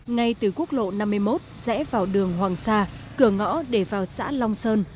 ngay từ quốc lộ năm mươi một rẽ vào đường hoàng sa cửa ngõ để vào xã long sơn